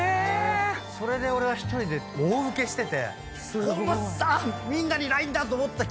⁉それで俺は１人で大ウケしてて。